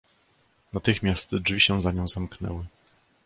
"Natychmiast drzwi się za nią zamknęły."